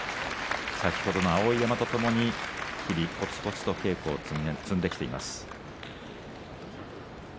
先ほどの碧山とともに日々こつこつと稽古を積んできています。